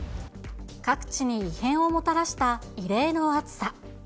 各地に異変をもたらした異例の暑さ。